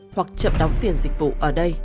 hoặc chậm đóng tiền dịch vụ ở đây